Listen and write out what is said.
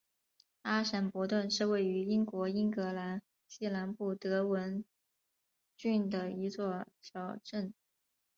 阿什伯顿是位于英国英格兰西南部德文郡的一座小镇。